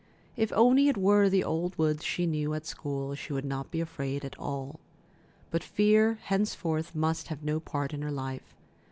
If only it were the old woods she knew at the school, she would not be afraid at all. But fear henceforth must have no part in her life.